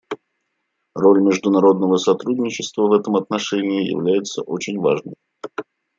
Роль международного сотрудничества в этом отношении является очень важной.